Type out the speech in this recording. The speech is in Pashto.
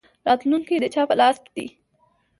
راتلونکی د چا په لاس کې دی؟